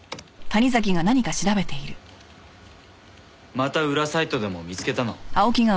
また裏サイトでも見つけたの？